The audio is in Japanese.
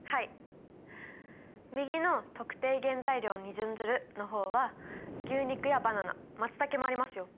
右の「特定原材料に準ずる」の方は牛肉やバナナまつたけもありますよ。